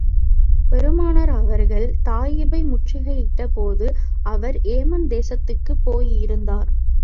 பெருமானார் அவர்கள், தாயிபை முற்றுகையிட்ட போது, அவர் ஏமன் தேசத்துக்குப் போயிருந்தார்.